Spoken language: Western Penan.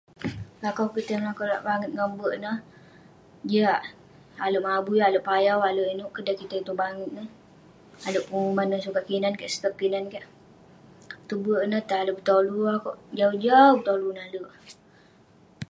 Lakau kik tai melakau lak banget ngan bek ineh, jiak. Alek mabui alek payau alek ineuk kek dan kik tai tong banget neh. Alek penguman yah sukat kinan kek, stok kinan kek. Tong bek ineh tai alek betolu akeuk. Jau-jau betolu nalek.